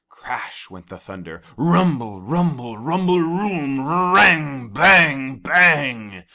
Crash went the thunder! Rumble, rumble, rumble, room, rrrr rang bang! bang!